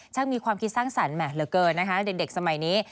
มีความคิดสร้างสรรค์เหลือเกินนะคะเด็กสมัยนี้